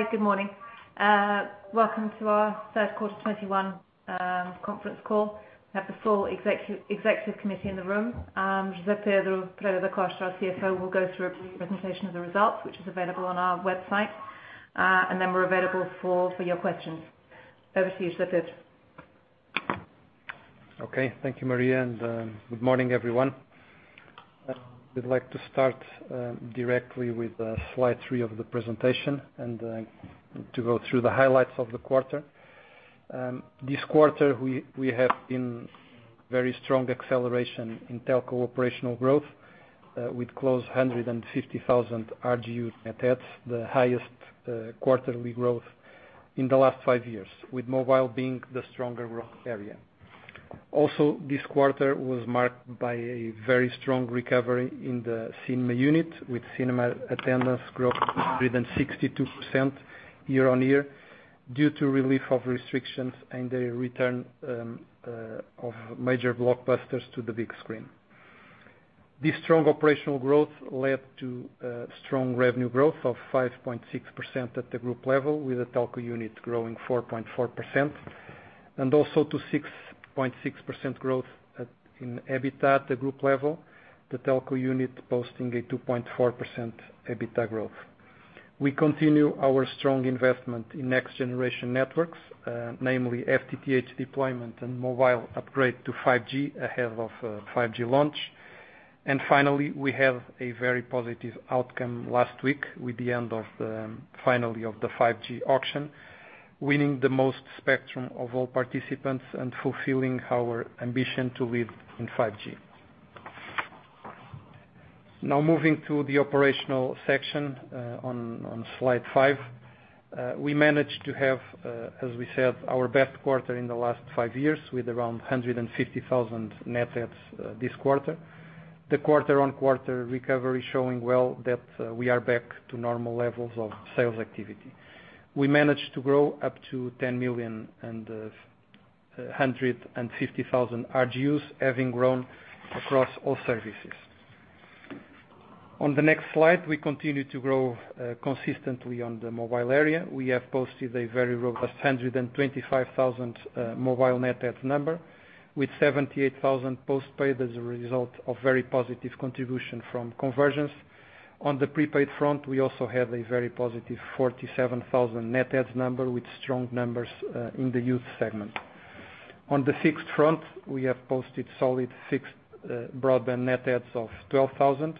Hi, good morning. Welcome to our third quarter 2021 conference call. We have the full Executive Committee in the room. José Pedro Pereira da Costa, our CFO, will go through a presentation of the results, which is available on our website. We're available for your questions. Over to you, José Pedro. Okay. Thank you, Maria, and good morning, everyone. We'd like to start directly with slide 3 of the presentation and to go through the highlights of the quarter. This quarter, we have seen very strong acceleration in telco operational growth, with close to 150,000 RGU net adds, the highest quarterly growth in the last 5 years, with mobile being the stronger growth area. Also, this quarter was marked by a very strong recovery in the cinema unit, with cinema attendance growth 162% year-on-year due to relief of restrictions and the return of major blockbusters to the big screen. This strong operational growth led to strong revenue growth of 5.6% at the group level, with the telco unit growing 4.4%, and also to 6.6% growth in EBITDA at the group level. The telco unit posting a 2.4% EBITDA growth. We continue our strong investment in next generation networks, namely FTTH deployment and mobile upgrade to 5G ahead of 5G launch. Finally, we have a very positive outcome last week with the end, finally, of the 5G auction, winning the most spectrum of all participants and fulfilling our ambition to lead in 5G. Now moving to the operational section on slide five. We managed to have, as we said, our best quarter in the last five years with around 150,000 net adds this quarter. The quarter-on-quarter recovery showing well that we are back to normal levels of sales activity. We managed to grow up to 10 million and 150,000 RGUs, having grown across all services. On the next slide, we continue to grow consistently on the mobile area. We have posted a very robust 125,000 mobile net adds number, with 78,000 postpaid as a result of very positive contribution from conversions. On the prepaid front, we also have a very positive 47,000 net adds number with strong numbers in the youth segment. On the fixed front, we have posted solid fixed broadband net adds of 12,000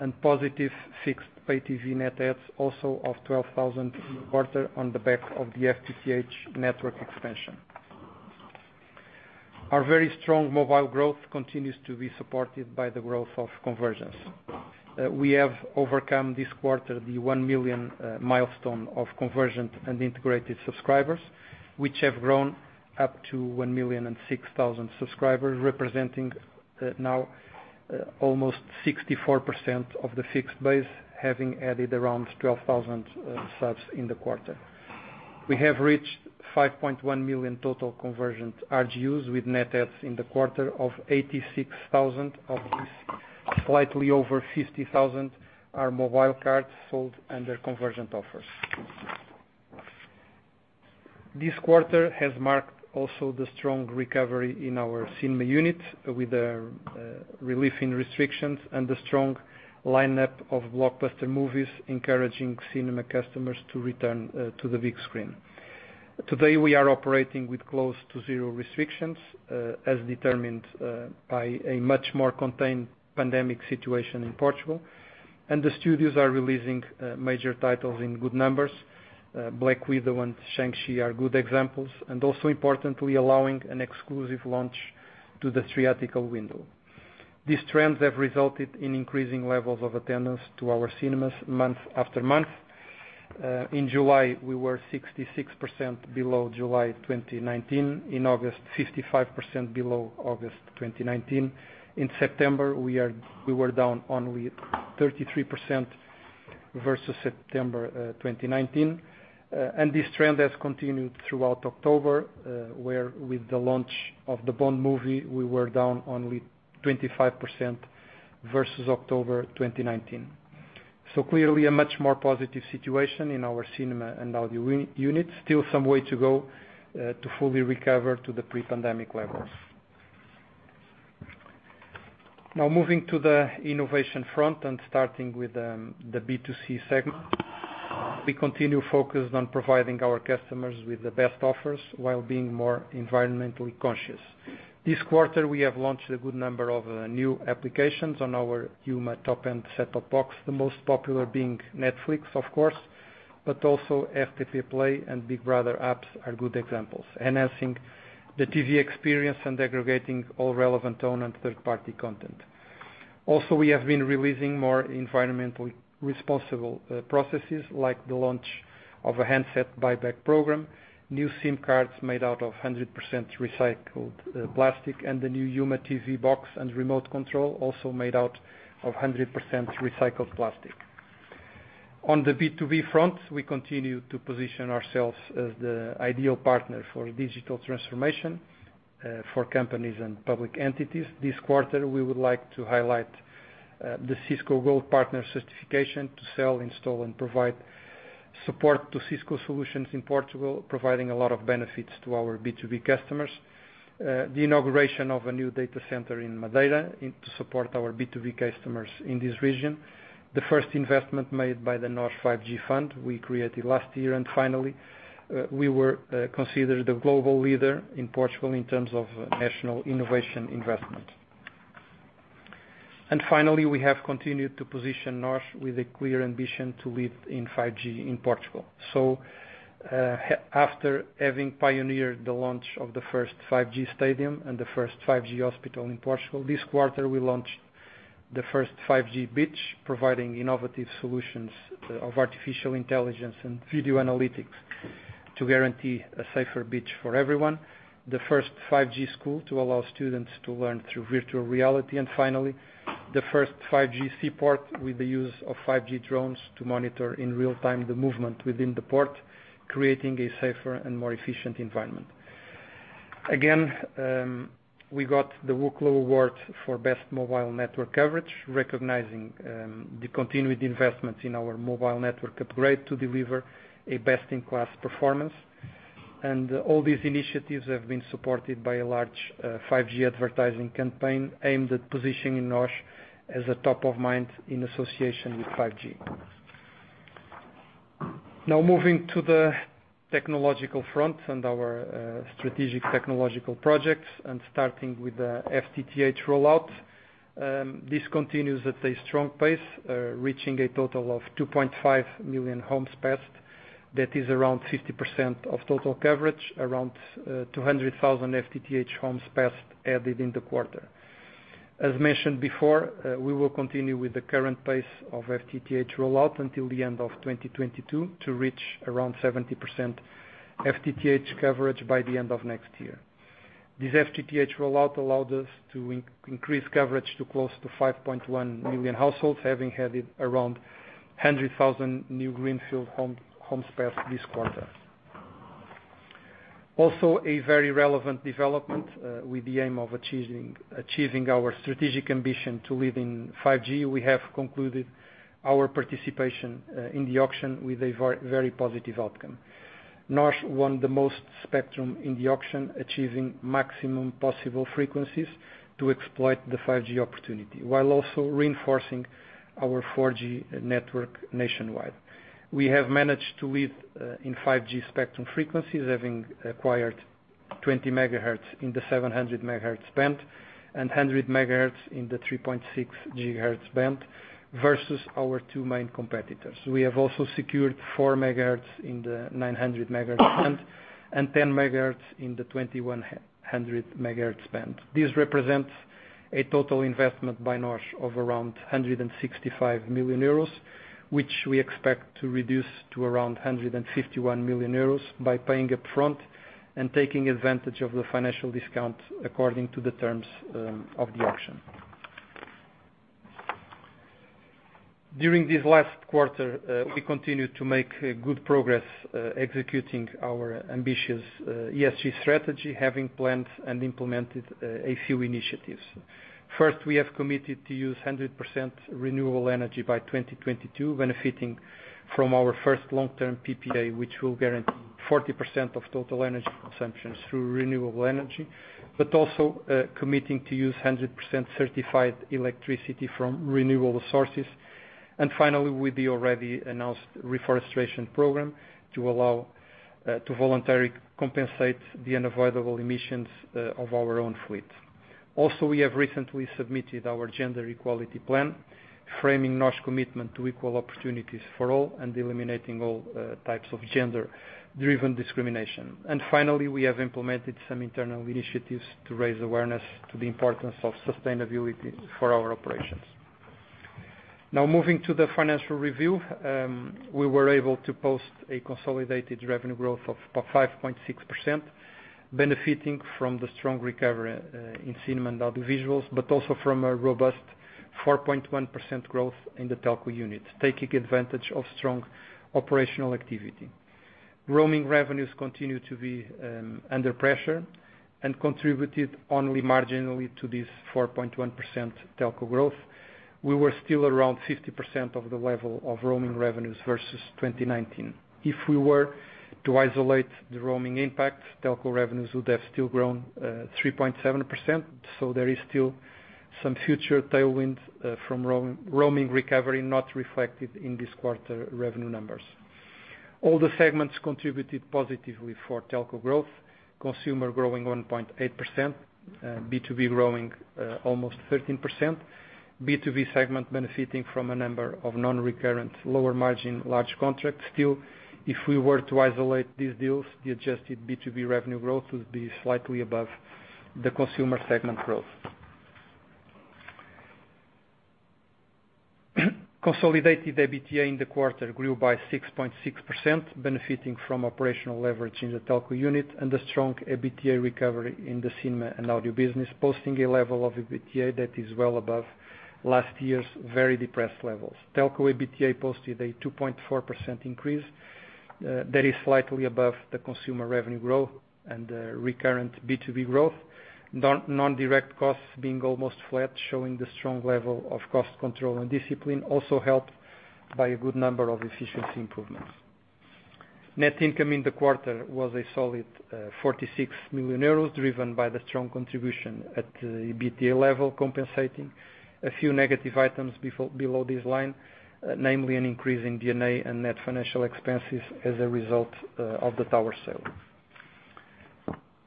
and positive fixed pay TV net adds also of 12,000 in the quarter on the back of the FTTH network expansion. Our very strong mobile growth continues to be supported by the growth of convergence. We have reached this quarter the 1 million milestone of convergent and integrated subscribers, which have grown up to 1,006,000 subscribers, representing now almost 64% of the fixed base, having added around 12,000 subs in the quarter. We have reached 5.1 million total convergent RGUs with net adds in the quarter of 86,000. Of these, slightly over 50,000 are mobile cards sold under convergent offers. This quarter has marked also the strong recovery in our cinema unit with the relief in restrictions and the strong lineup of blockbuster movies encouraging cinema customers to return to the big screen. Today, we are operating with close to zero restrictions as determined by a much more contained pandemic situation in Portugal. The studios are releasing major titles in good numbers. Black Widow and Shang-Chi are good examples, and also importantly allowing an exclusive launch to the theatrical window. These trends have resulted in increasing levels of attendance to our cinemas month after month. In July, we were 66% below July 2019. In August, 55% below August 2019. In September, we were down only 33% versus September 2019. This trend has continued throughout October, where with the launch of the Bond movie, we were down only 25% versus October 2019. Clearly a much more positive situation in our cinema and audio unit. Still some way to go to fully recover to the pre-pandemic levels. Now moving to the innovation front and starting with the B2C segment. We continue focused on providing our customers with the best offers while being more environmentally conscious. This quarter, we have launched a good number of new applications on our UMA top-end set-top box, the most popular being Netflix, of course, but also RTP Play and Big Brother apps are good examples, enhancing the TV experience and aggregating all relevant own and third-party content. Also, we have been releasing more environmentally responsible processes like the launch of a handset buyback program, new SIM cards made out of 100% recycled plastic, and the new UMA TV box and remote control also made out of 100% recycled plastic. On the B2B front, we continue to position ourselves as the ideal partner for digital transformation for companies and public entities. This quarter, we would like to highlight the Cisco Gold Partner certification to sell, install, and provide support to Cisco solutions in Portugal, providing a lot of benefits to our B2B customers. The inauguration of a new data center in Madeira to support our B2B customers in this region. The first investment made by the NOS 5G Fund we created last year. Finally, we were considered the global leader in Portugal in terms of national innovation investment. Finally, we have continued to position NOS with a clear ambition to lead in 5G in Portugal. After having pioneered the launch of the first 5G stadium and the first 5G hospital in Portugal, this quarter, we launched the first 5G beach, providing innovative solutions of artificial intelligence and video analytics to guarantee a safer beach for everyone. The first 5G school to allow students to learn through virtual reality. Finally, the first 5G seaport with the use of 5G drones to monitor in real time the movement within the port, creating a safer and more efficient environment. Again, we got the Ookla Award for best mobile network coverage, recognizing the continued investments in our mobile network upgrade to deliver a best-in-class performance. All these initiatives have been supported by a large 5G advertising campaign aimed at positioning NOS as a top of mind in association with 5G. Now moving to the technological front and our strategic technological projects and starting with the FTTH rollout. This continues at a strong pace, reaching a total of 2.5 million homes passed. That is around 50% of total coverage, around 200,000 FTTH homes passed added in the quarter. As mentioned before, we will continue with the current pace of FTTH rollout until the end of 2022 to reach around 70% FTTH coverage by the end of next year. This FTTH rollout allowed us to increase coverage to close to 5.1 million households, having added around 100,000 new greenfield home spots this quarter. Also, a very relevant development with the aim of achieving our strategic ambition to lead in 5G. We have concluded our participation in the auction with a very positive outcome. NOS won the most spectrum in the auction, achieving maximum possible frequencies to exploit the 5G opportunity, while also reinforcing our 4G network nationwide. We have managed to lead in 5G spectrum frequencies, having acquired 20 MHz in the 700 MHz band and 100 MHz in the 3.6 GHz band versus our two main competitors. We have also secured 4 MHz in the 900 MHz band and 10 MHz in the 2,100 MHz band. This represents a total investment by NOS of around 165 million euros, which we expect to reduce to around 151 million euros by paying upfront and taking advantage of the financial discount according to the terms of the auction. During this last quarter, we continued to make good progress executing our ambitious ESG strategy, having planned and implemented a few initiatives. First, we have committed to use 100% renewable energy by 2022, benefiting from our first long-term PPA, which will guarantee 40% of total energy consumption through renewable energy, but also committing to use 100% certified electricity from renewable sources. Finally, with the already announced reforestation program to voluntarily compensate the unavoidable emissions of our own fleet. Also, we have recently submitted our gender equality plan, framing NOS commitment to equal opportunities for all and eliminating all types of gender-driven discrimination. Finally, we have implemented some internal initiatives to raise awareness to the importance of sustainability for our operations. Now moving to the financial review. We were able to post a consolidated revenue growth of about 5.6%, benefiting from the strong recovery in cinema and audiovisuals, but also from a robust 4.1% growth in the telco unit, taking advantage of strong operational activity. Roaming revenues continue to be under pressure and contributed only marginally to this 4.1% telco growth. We were still around 50% of the level of roaming revenues versus 2019. If we were to isolate the roaming impact, telco revenues would have still grown 3.7%. There is still some future tailwind from roaming recovery not reflected in this quarter revenue numbers. All the segments contributed positively for telco growth. Consumer growing 1.8%, B2B growing almost 13%. B2B segment benefiting from a number of non-recurrent lower margin large contracts. Still, if we were to isolate these deals, the adjusted B2B revenue growth would be slightly above the consumer segment growth. Consolidated EBITDA in the quarter grew by 6.6%, benefiting from operational leverage in the telco unit and a strong EBITDA recovery in the cinema and audio business, posting a level of EBITDA that is well above last year's very depressed levels. Telco EBITDA posted a 2.4% increase. That is slightly above the consumer revenue growth and the recurrent B2B growth. On non-direct costs being almost flat, showing the strong level of cost control and discipline, also helped by a good number of efficiency improvements. Net income in the quarter was a solid 46 million euros, driven by the strong contribution at the EBITDA level, compensating a few negative items below this line, namely an increase in D&A and net financial expenses as a result of the tower sale.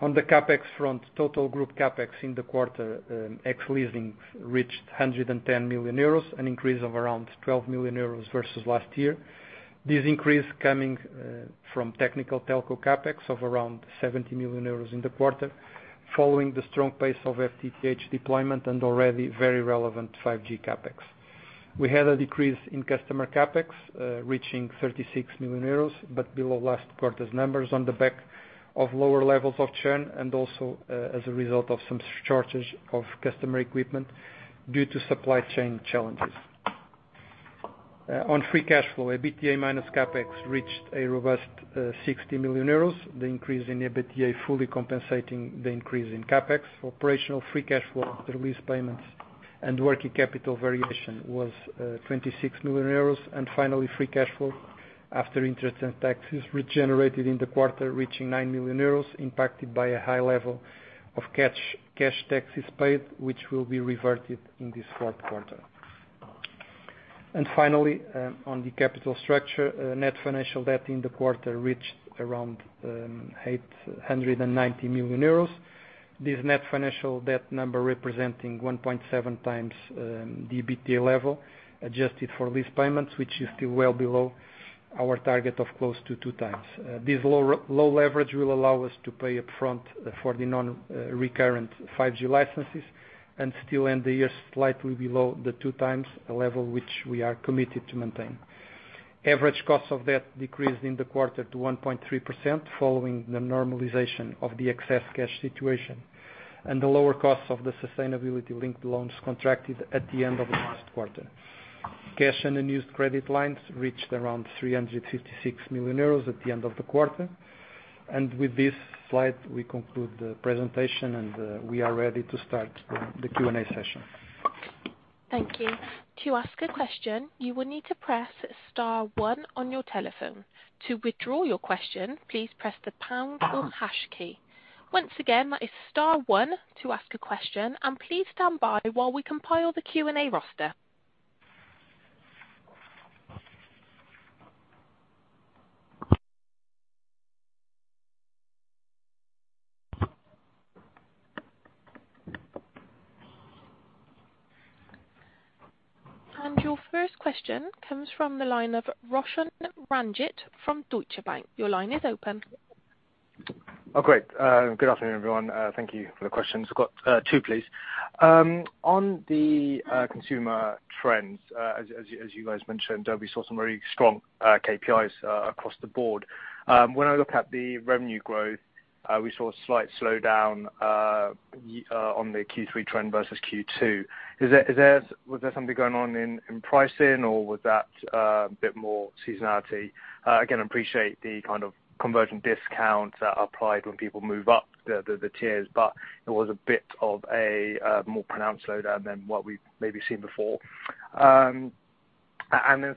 On the CapEx front, total group CapEx in the quarter, ex leasing, reached 110 million euros, an increase of around 12 million euros versus last year. This increase coming from technical telco CapEx of around 70 million euros in the quarter, following the strong pace of FTTH deployment and already very relevant 5G CapEx. We had a decrease in customer CapEx reaching 36 million euros, but below last quarter's numbers on the back of lower levels of churn and also as a result of some shortages of customer equipment due to supply chain challenges. On free cash flow, EBITDA minus CapEx reached a robust 60 million euros. The increase in EBITDA fully compensating the increase in CapEx. Operational free cash flow after lease payments and working capital variation was 26 million euros. Free cash flow after interest and taxes generated in the quarter, reaching 9 million euros, impacted by a high level of cash taxes paid, which will be reverted in this fourth quarter. On the capital structure, net financial debt in the quarter reached around 890 million euros. This net financial debt number representing 1.7 times the EBITDA level, adjusted for lease payments, which is still well below our target of close to 2 times. This low leverage will allow us to pay up front for the non-recurrent 5G licenses and still end the year slightly below the 2 times level which we are committed to maintain. Average cost of debt decreased in the quarter to 1.3%, following the normalization of the excess cash situation and the lower costs of the sustainability-linked loans contracted at the end of last quarter. Cash and unused credit lines reached around 356 million euros at the end of the quarter. With this slide, we conclude the presentation and we are ready to start the Q&A session. Your first question comes from the line of Roshan Ranjit from Deutsche Bank. Your line is open. Good afternoon, everyone. Thank you for the questions. I've got two, please. On the consumer trends, as you guys mentioned, we saw some very strong KPIs across the board. When I look at the revenue growth, we saw a slight slowdown on the Q3 trend versus Q2. Was there something going on in pricing, or was that a bit more seasonality? Again, appreciate the kind of conversion discount applied when people move up the tiers, but it was a bit of a more pronounced slowdown than what we've maybe seen before. Secondly,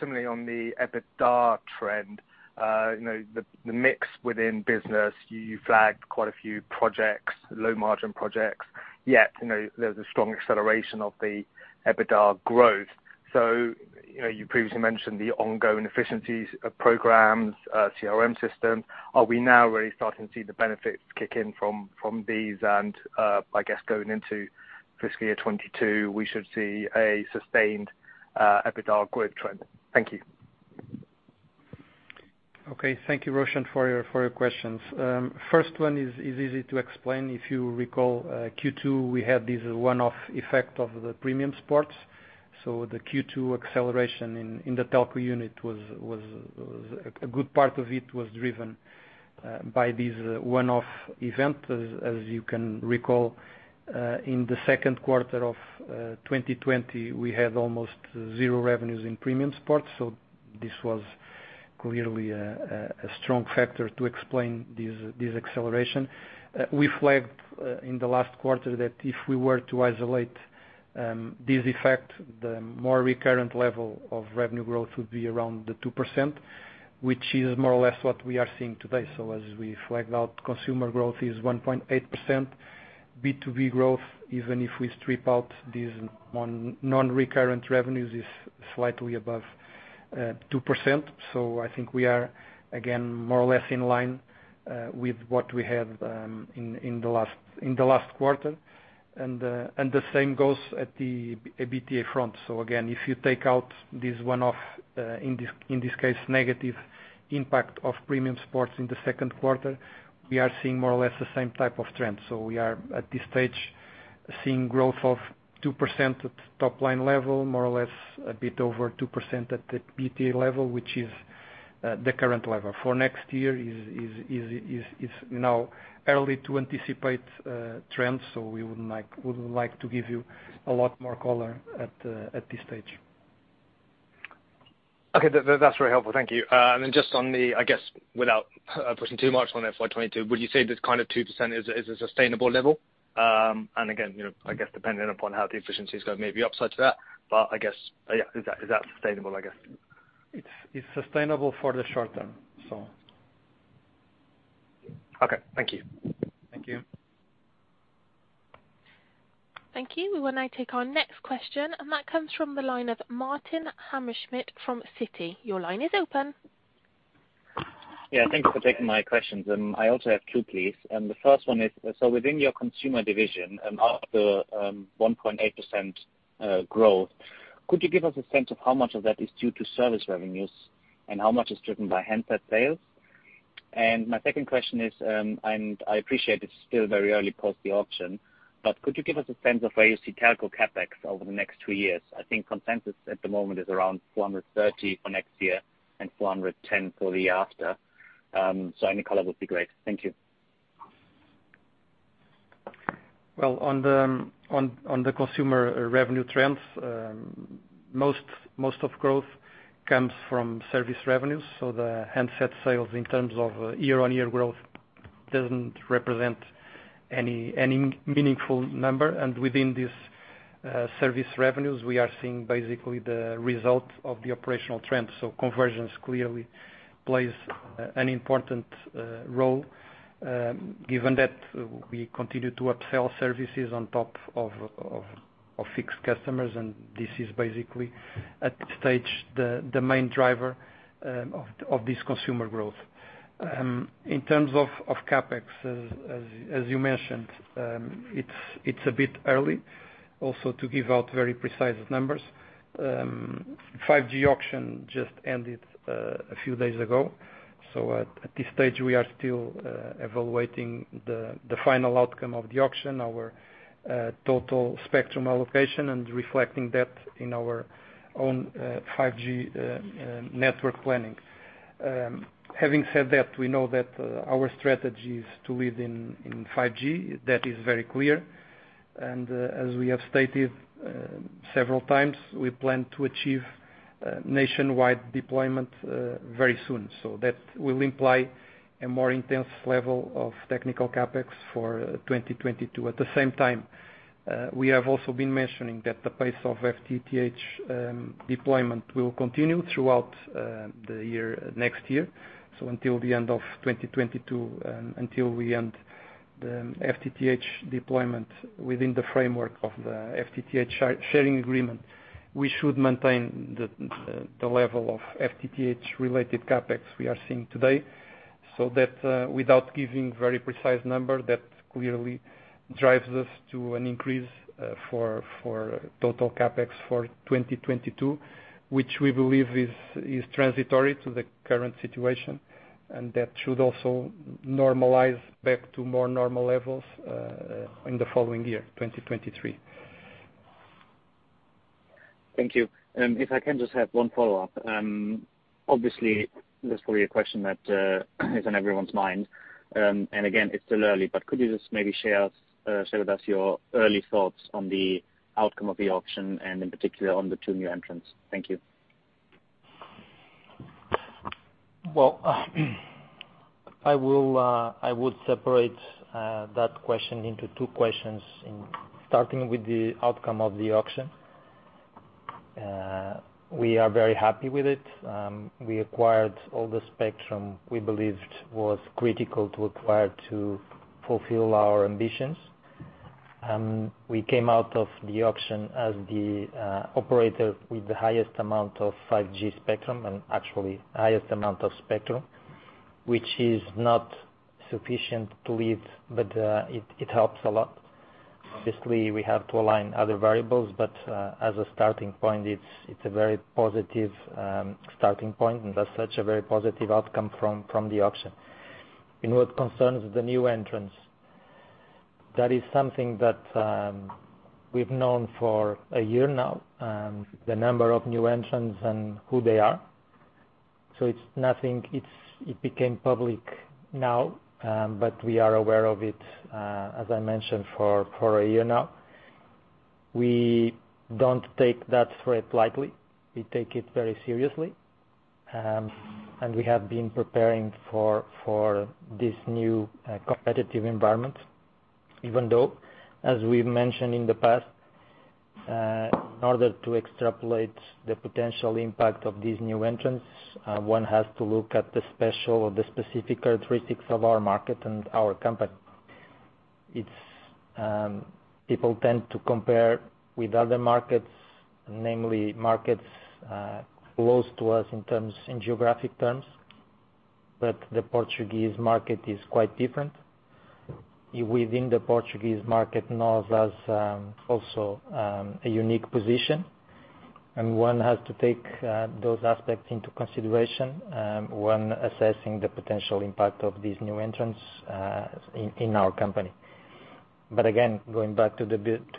similarly on the EBITDA trend, you know, the mix within business, you flagged quite a few projects, low margin projects, yet, you know, there's a strong acceleration of the EBITDA growth. You know, you previously mentioned the ongoing efficiencies of programs, CRM systems. Are we now really starting to see the benefits kick in from these and, I guess going into fiscal year 2022, we should see a sustained EBITDA growth trend? Thank you. Okay. Thank you, Roshan, for your questions. First one is easy to explain. If you recall, Q2, we had this one-off effect of the premium sports. The Q2 acceleration in the telco unit was a good part of it was driven by this one-off event. As you can recall, in the second quarter of 2020, we had almost zero revenues in premium sports, so this was clearly a strong factor to explain this acceleration. We flagged in the last quarter that if we were to isolate this effect, the more recurrent level of revenue growth would be around 2%, which is more or less what we are seeing today. As we flagged out, consumer growth is 1.8%. B2B growth, even if we strip out these non-recurrent revenues, is slightly above 2%. I think we are again, more or less in line with what we had in the last quarter. The same goes at the EBITDA front. Again, if you take out this one-off in this case, negative impact of premium sports in the second quarter, we are seeing more or less the same type of trend. We are, at this stage, seeing growth of 2% at top line level, more or less a bit over 2% at the EBITDA level, which is the current level. For next year is, you know, early to anticipate trends, so we wouldn't like to give you a lot more color at this stage. Okay. That's very helpful. Thank you. Just on the, I guess, without putting too much on FY 2022, would you say this kind of 2% is a sustainable level? Again, you know, I guess depending upon how the efficiency is going, maybe upside to that. I guess, yeah, is that sustainable, I guess? It's sustainable for the short term. Okay, thank you. Thank you. Thank you. We will now take our next question, and that comes from the line of Martin Hammerschmidt from Citi. Your line is open. Yeah. Thank you for taking my questions. I also have two, please. The first one is, so within your consumer division, after 1.8% growth, could you give us a sense of how much of that is due to service revenues, and how much is driven by handset sales? My second question is, and I appreciate it's still very early post the auction, but could you give us a sense of where you see telco CapEx over the next two years? I think consensus at the moment is around 430 million for next year and 410 million for the year after. Any color would be great. Thank you. Well, on the consumer revenue trends, most of growth comes from service revenues. The handset sales in terms of year-on-year growth doesn't represent any meaningful number. Within this, service revenues, we are seeing basically the result of the operational trends. Conversions clearly plays an important role, given that we continue to upsell services on top of fixed customers, and this is basically at this stage the main driver of this consumer growth. In terms of CapEx, as you mentioned, it's a bit early also to give out very precise numbers. 5G auction just ended a few days ago. At this stage, we are still evaluating the final outcome of the auction, our total spectrum allocation and reflecting that in our own 5G network planning. Having said that, we know that our strategy is to lead in 5G. That is very clear. As we have stated several times, we plan to achieve nationwide deployment very soon. That will imply a more intense level of technical CapEx for 2022. At the same time, we have also been mentioning that the pace of FTTH deployment will continue throughout the year, next year. Until the end of 2022, we end the FTTH deployment within the framework of the FTTH sharing agreement, we should maintain the level of FTTH-related CapEx we are seeing today. That, without giving very precise number, that clearly drives us to an increase for total CapEx for 2022, which we believe is transitory to the current situation. That should also normalize back to more normal levels in the following year, 2023. Thank you. If I can just have one follow-up. Obviously, that's probably a question that is on everyone's mind. Again, it's still early, but could you just maybe share with us your early thoughts on the outcome of the auction and in particular on the two new entrants? Thank you. Well, I would separate that question into two questions, and starting with the outcome of the auction. We are very happy with it. We acquired all the spectrum we believed was critical to acquire to fulfill our ambitions. We came out of the auction as the operator with the highest amount of 5G spectrum, and actually highest amount of spectrum, which is not sufficient to lead, but it helps a lot. Obviously, we have to align other variables, but as a starting point, it's a very positive starting point, and as such, a very positive outcome from the auction. In what concerns the new entrants, that is something that we've known for a year now, the number of new entrants and who they are. It became public now, but we are aware of it, as I mentioned, for a year now. We don't take that threat lightly. We take it very seriously. We have been preparing for this new competitive environment. Even though, as we've mentioned in the past, in order to extrapolate the potential impact of these new entrants, one has to look at the special or the specific characteristics of our market and our company. It's people tend to compare with other markets, namely markets close to us in geographic terms, but the Portuguese market is quite different. Within the Portuguese market, NOS has also a unique position. One has to take those aspects into consideration when assessing the potential impact of these new entrants in our company. Again, going back to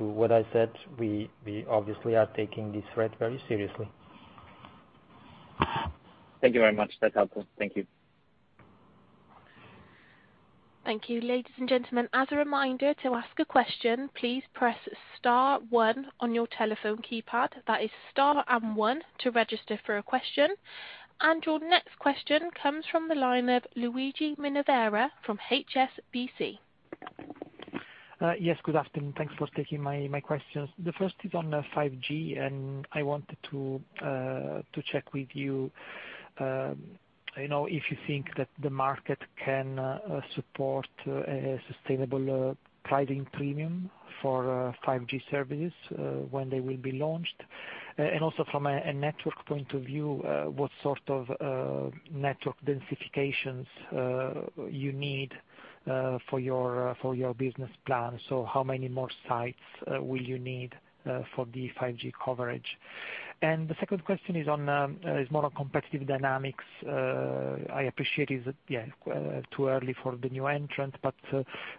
what I said, we obviously are taking this threat very seriously. Thank you very much. That's helpful. Thank you. Thank you. Ladies and gentlemen, as a reminder, to ask a question, please press star one on your telephone keypad. That is star and one to register for a question. Your next question comes from the line of Luigi Minerva from HSBC. Yes, good afternoon. Thanks for taking my questions. The first is on 5G, and I wanted to check with you know, if you think that the market can support a sustainable pricing premium for 5G services when they will be launched. Also from a network point of view, what sort of network densifications you need for your business plan. How many more sites will you need for the 5G coverage? The second question is more on competitive dynamics. I appreciate it's yeah too early for the new entrants, but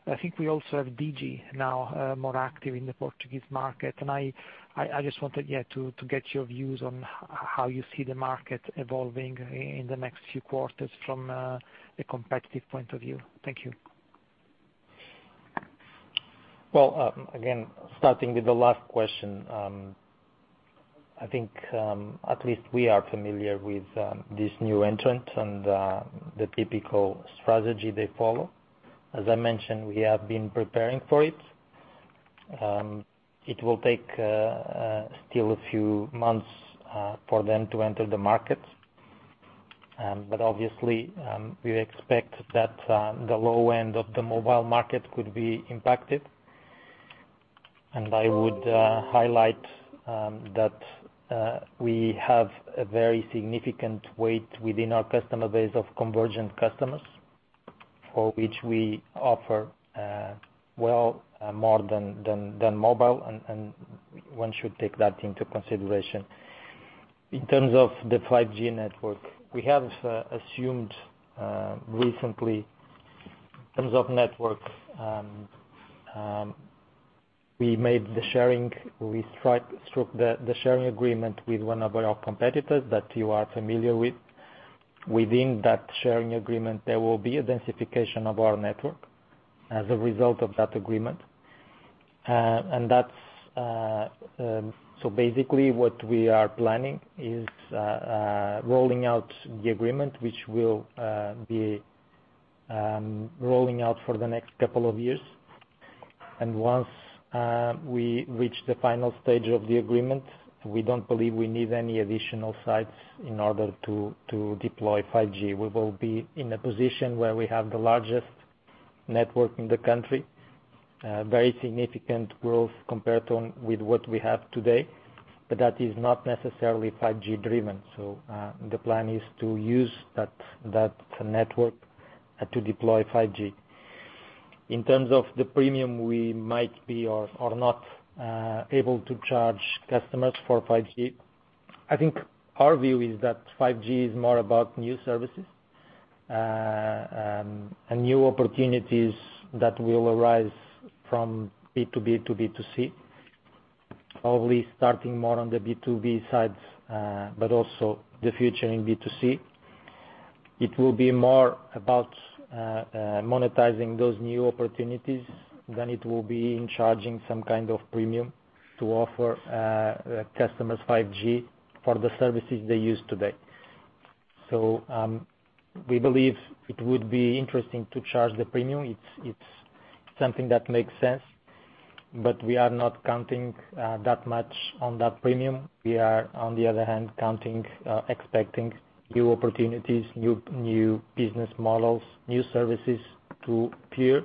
I think we also have Digi now more active in the Portuguese market. I just wanted to get your views on how you see the market evolving in the next few quarters from the competitive point of view? Thank you. Well, again, starting with the last question, I think at least we are familiar with this new entrant and the typical strategy they follow. As I mentioned, we have been preparing for it. It will take still a few months for them to enter the market. Obviously, we expect that the low end of the mobile market could be impacted. I would highlight that we have a very significant weight within our customer base of convergent customers, for which we offer, well, more than mobile, and one should take that into consideration. In terms of the 5G network, we have announced recently, in terms of network, we struck the sharing agreement with one of our competitors that you are familiar with. Within that sharing agreement, there will be a densification of our network as a result of that agreement. That's basically what we are planning is rolling out the agreement, which will be rolling out for the next couple of years. Once we reach the final stage of the agreement, we don't believe we need any additional sites in order to deploy 5G. We will be in a position where we have the largest network in the country, very significant growth compared with what we have today, but that is not necessarily 5G-driven. The plan is to use that network to deploy 5G. In terms of the premium we might be or not able to charge customers for 5G, I think our view is that 5G is more about new services and new opportunities that will arise from B2B to B2C. Probably starting more on the B2B side, but also the future in B2C. It will be more about monetizing those new opportunities than it will be in charging some kind of premium to offer customers 5G for the services they use today. We believe it would be interesting to charge the premium. It's something that makes sense, but we are not counting that much on that premium. We are, on the other hand, counting, expecting new opportunities, new business models, new services to appear,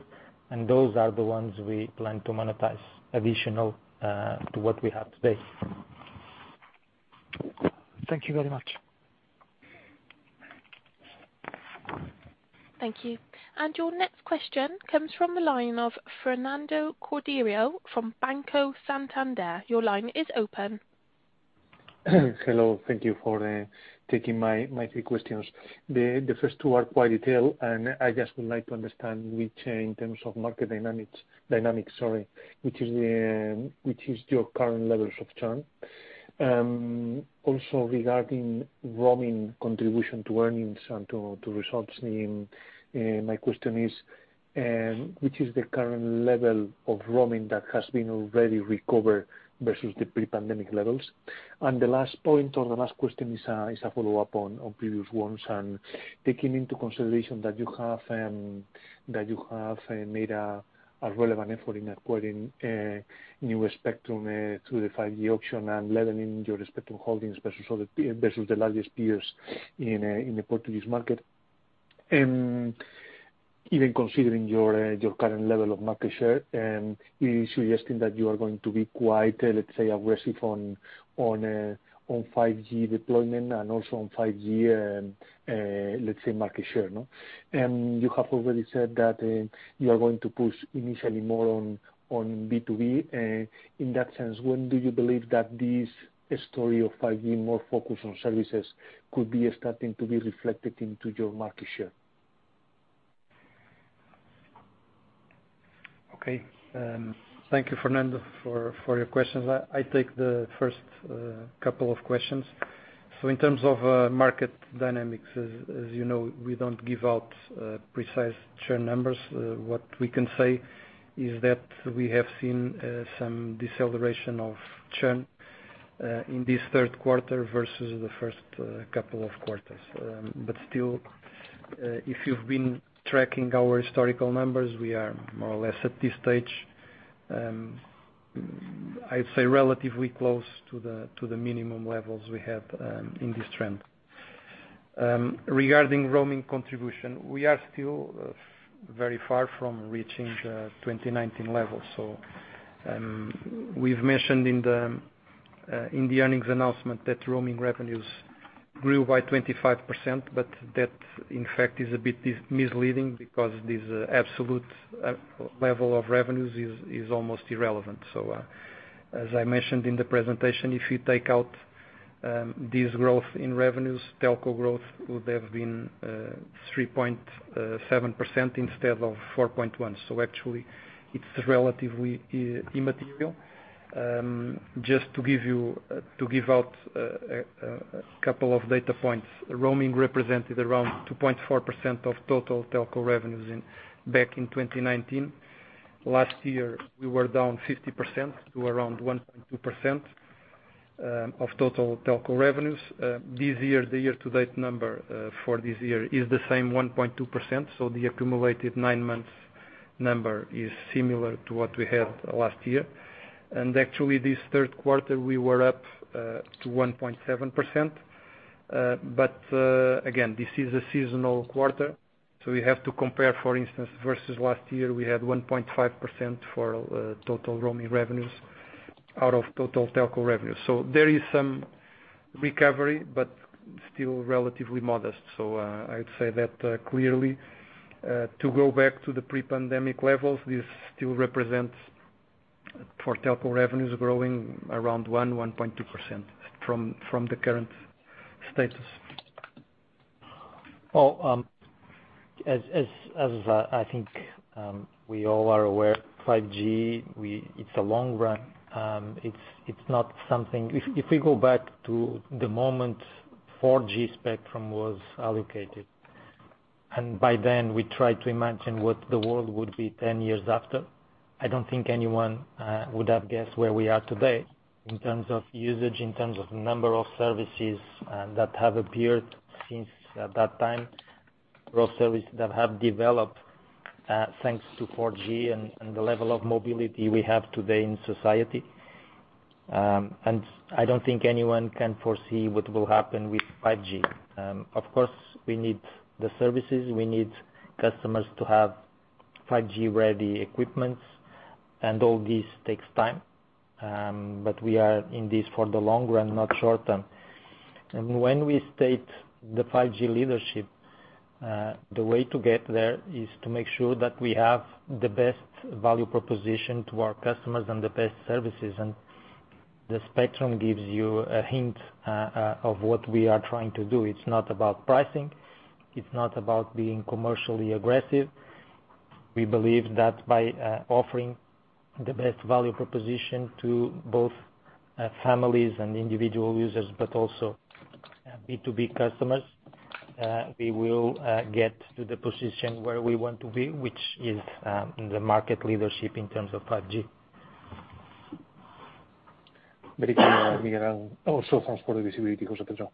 and those are the ones we plan to monetize additional to what we have today. Thank you very much. Thank you. Your next question comes from the line of Fernando Cordero from Banco Santander. Your line is open. Hello. Thank you for taking my three questions. The first two are quite detailed, and I just would like to understand which, in terms of market dynamics, sorry, which is your current levels of churn. Also regarding roaming contribution to earnings and to results and my question is, which is the current level of roaming that has been already recovered versus the pre-pandemic levels? The last point or the last question is a follow-up on previous ones. Taking into consideration that you have made a relevant effort in acquiring new spectrum through the 5G auction and leveling your spectrum holdings versus other peers versus the largest peers in the Portuguese market. Even considering your current level of market share, are you suggesting that you are going to be quite, let's say, aggressive on 5G deployment and also on 5G, let's say market share, no? You have already said that, you are going to push initially more on B2B. In that sense, when do you believe that this story of 5G more focused on services could be starting to be reflected into your market share? Okay. Thank you, Fernando, for your questions. I take the first couple of questions. In terms of market dynamics, as you know, we don't give out precise churn numbers. What we can say is that we have seen some deceleration of churn in this third quarter versus the first couple of quarters. Still, if you've been tracking our historical numbers, we are more or less at this stage, I'd say relatively close to the minimum levels we have in this trend. Regarding roaming contribution, we are still very far from reaching the 2019 level. We've mentioned in the earnings announcement that roaming revenues grew by 25%, but that in fact is a bit misleading because this absolute level of revenues is almost irrelevant. As I mentioned in the presentation, if you take out this growth in revenues, telco growth would have been 3.7% instead of 4.1%. Actually it's relatively immaterial. Just to give out a couple of data points. Roaming represented around 2.4% of total telco revenues back in 2019. Last year, we were down 50% to around 1.2% of total telco revenues. This year, the year-to-date number for this year is the same 1.2%, so the accumulated nine months number is similar to what we had last year. Actually, this third quarter, we were up to 1.7%. Again, this is a seasonal quarter, so we have to compare, for instance, versus last year, we had 1.5% for total roaming revenues out of total telco revenues. There is some recovery, but still relatively modest. I'd say that clearly to go back to the pre-pandemic levels, this still represents for telco revenues growing around 1.2% from the current status. Well, I think we all are aware, 5G it's a long run. It's not something. If we go back to the moment 4G spectrum was allocated, and by then we tried to imagine what the world would be 10 years after, I don't think anyone would have guessed where we are today in terms of usage, in terms of number of services that have appeared since that time, or services that have developed thanks to 4G and the level of mobility we have today in society. I don't think anyone can foresee what will happen with 5G. Of course, we need the services, we need customers to have 5G-ready equipment, and all this takes time. We are in this for the long run, not short term. When we state the 5G leadership, the way to get there is to make sure that we have the best value proposition to our customers and the best services. The spectrum gives you a hint of what we are trying to do. It's not about pricing, it's not about being commercially aggressive. We believe that by offering the best value proposition to both families and individual users, but also B2B customers, we will get to the position where we want to be, which is the market leadership in terms of 5G. Very clear, Miguel. Also thanks for the visibility, José Pedro.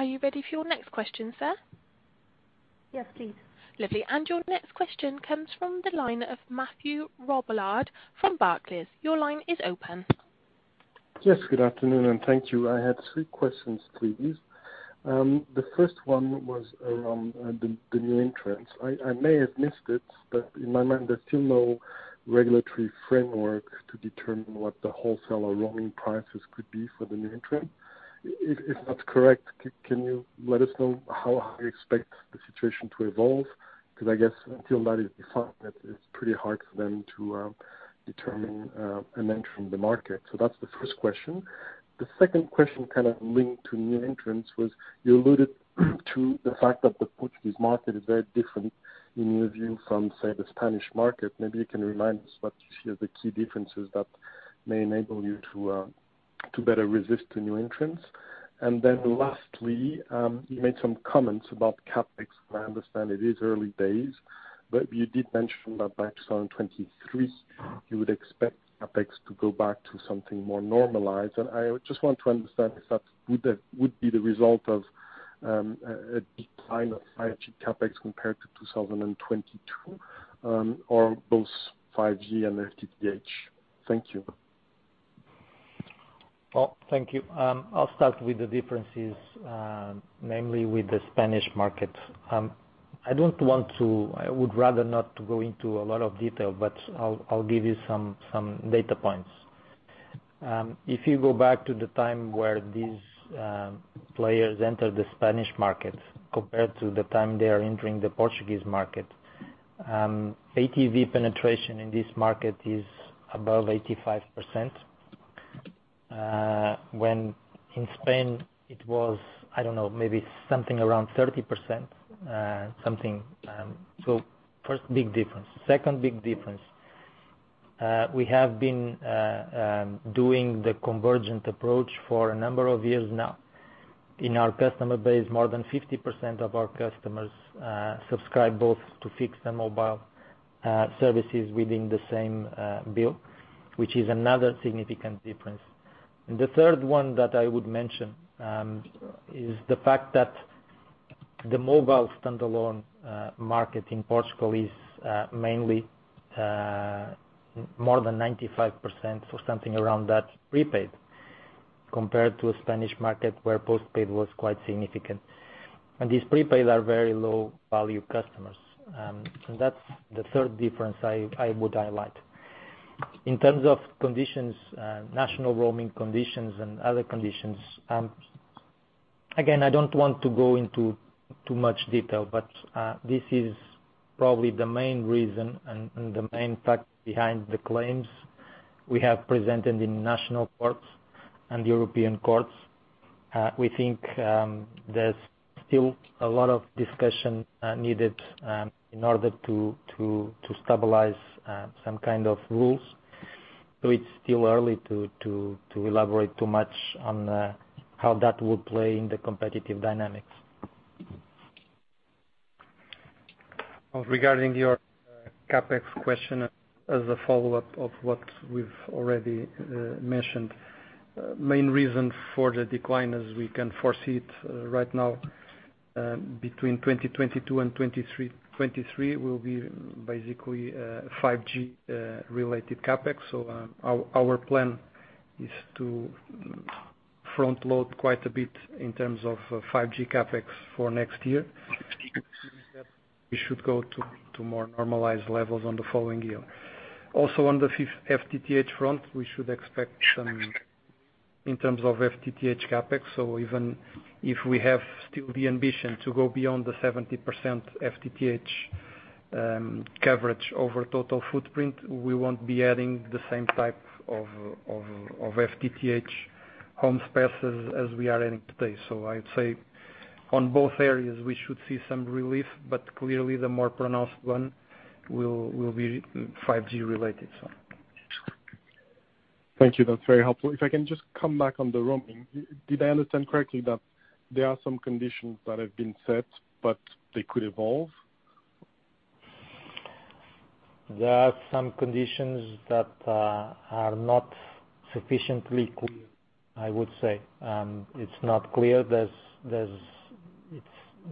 Are you ready for your next question, sir? Yes, please. Lovely. Your next question comes from the line of Mathieu Robilliard from Barclays. Your line is open. Yes, good afternoon, and thank you. I have three questions, please. The first one was around the new entrants. I may have missed it, but in my mind, there's still no regulatory framework to determine what the wholesale or roaming prices could be for the new entrant. If that's correct, can you let us know how you expect the situation to evolve? Because I guess until that is defined, it's pretty hard for them to determine an entry in the market. That's the first question. The second question, kind of linked to new entrants, was you alluded to the fact that the Portuguese market is very different in your view from, say, the Spanish market. Maybe you can remind us what you feel the key differences that may enable you to better resist the new entrants. Then lastly, you made some comments about CapEx. I understand it is early days, but you did mention that by 2023 you would expect CapEx to go back to something more normalized. I just want to understand if that would be the result of a decline of 5G CapEx compared to 2022, or both 5G and FTTH. Thank you. Well, thank you. I'll start with the differences, namely with the Spanish market. I would rather not to go into a lot of detail, but I'll give you some data points. If you go back to the time where these players entered the Spanish market compared to the time they are entering the Portuguese market, PayTV penetration in this market is above 85%, when in Spain it was, I don't know, maybe something around 30%, something. First big difference. Second big difference, we have been doing the convergent approach for a number of years now. In our customer base, more than 50% of our customers subscribe both to fixed and mobile services within the same bill, which is another significant difference. The third one that I would mention is the fact that the mobile standalone market in Portugal is mainly more than 95% or something around that prepaid, compared to a Spanish market where postpaid was quite significant. These prepaid are very low value customers. That's the third difference I would highlight. In terms of conditions, national roaming conditions and other conditions, again, I don't want to go into too much detail, but this is probably the main reason and the main fact behind the claims we have presented in national courts and European courts. We think there's still a lot of discussion needed in order to stabilize some kind of rules. It's still early to elaborate too much on how that would play in the competitive dynamics. Regarding your CapEx question, as a follow-up of what we've already mentioned. Main reason for the decline as we can foresee it right now between 2022 and 2023 will be basically 5G-related CapEx. Our plan is to front load quite a bit in terms of 5G CapEx for next year. We should go to more normalized levels on the following year. Also, on the FTTH front, we should expect some in terms of FTTH CapEx. Even if we have still the ambition to go beyond the 70% FTTH coverage over total footprint, we won't be adding the same type of FTTH homes passed as we are adding today. I'd say on both areas we should see some relief, but clearly the more pronounced one will be 5G-related, so. Thank you. That's very helpful. If I can just come back on the roaming. Did I understand correctly that there are some conditions that have been set, but they could evolve? There are some conditions that are not sufficiently clear, I would say. It's not clear.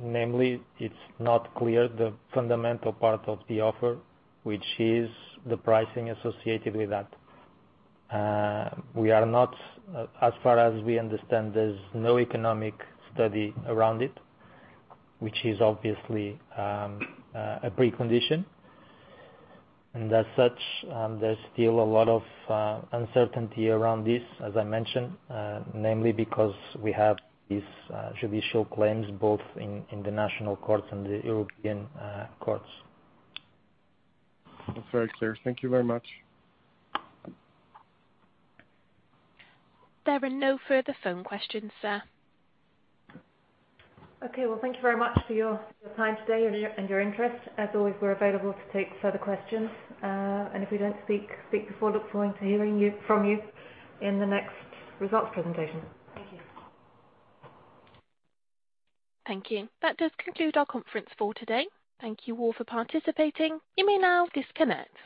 Namely, it's not clear the fundamental part of the offer, which is the pricing associated with that. As far as we understand, there's no economic study around it, which is obviously a precondition. As such, there's still a lot of uncertainty around this, as I mentioned, namely because we have these judicial claims both in the national courts and the European courts. That's very clear. Thank you very much. There are no further phone questions, sir. Okay. Well, thank you very much for your time today and your interest. As always, we're available to take further questions. If we don't speak before, we look forward to hearing from you in the next results presentation. Thank you. Thank you. That does conclude our conference call today. Thank you all for participating. You may now disconnect.